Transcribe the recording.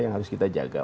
yang harus kita jaga